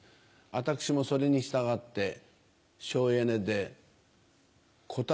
私もそれに従って省エネで答え